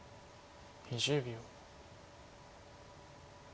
２０秒。